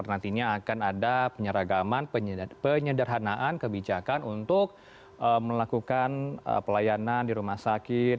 nantinya akan ada penyeragaman penyederhanaan kebijakan untuk melakukan pelayanan di rumah sakit